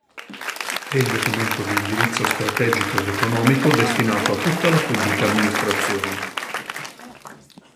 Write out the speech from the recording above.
È il documento di indirizzo strategico ed economico destinato a tutta la Pubblica Amministrazione.